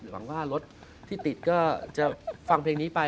หวังว่ารถที่ติดก็จะฟังเพลงนี้ไป